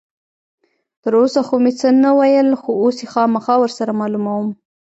تر اوسه خو مې څه نه ویل، خو اوس یې خامخا ور سره معلوموم.